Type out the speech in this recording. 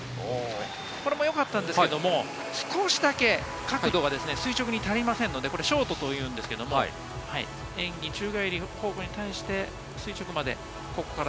これもよかったんですけれども、少しだけ角度が垂直に足りませんので、ショートといいますが、演技、宙返り、垂直まで。